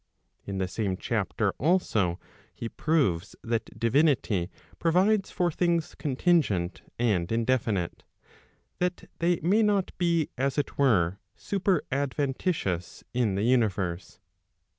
In the same chapter also he proves that divinity provides for things contingent and indefinite, that they may not be as it were super adventitious in the universe.